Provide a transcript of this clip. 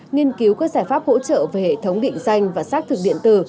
nghiên cứu các giải pháp hỗ trợ về hệ thống định danh và xác thực điện tử